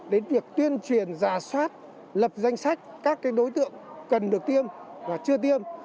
đến việc tuyên truyền giả soát lập danh sách các đối tượng cần được tiêm và chưa tiêm